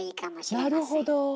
あなるほど。